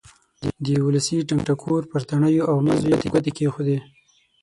د ولسي ټنګ ټکور پر تڼیو او مزو یې ګوتې کېښودې.